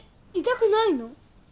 痛くないの？